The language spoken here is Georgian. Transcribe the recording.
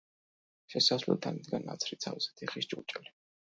შესასვლელთან იდგა ნაცრით სავსე თიხის ჭურჭელი.